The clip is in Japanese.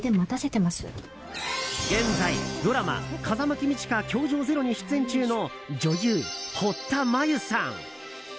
現在、ドラマ「風間公親‐教場０‐」に出演中の女優・堀田真由さん。